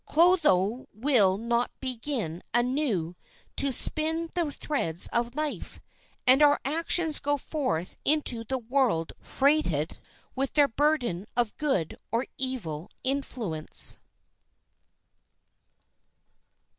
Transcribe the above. Clotho will not begin anew to spin the threads of life, and our actions go forth into the world freighted with their burden of good or evil influence.